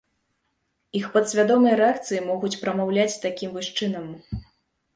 Іх падсвядомыя рэакцыі могуць прамаўляць такім вось чынам.